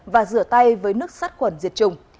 và rửa tay với nước sắt quần diệt trùng